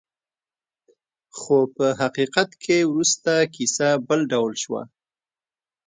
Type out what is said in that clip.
خو په حقیقت کې وروسته کیسه بل ډول شوه.